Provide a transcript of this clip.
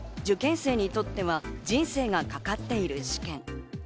受験生にとっては人生がかかっている試験。